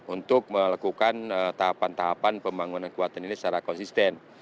untuk melakukan tahapan tahapan pembangunan kekuatan ini secara konsisten